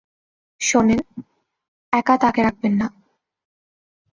শোনেন, একা তাকে রাখবেন না।